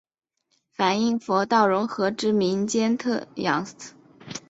反应佛道融合之民间信仰特色。